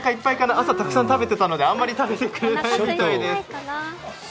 朝、たくさん食べてたのであまり食べたくないみたいです。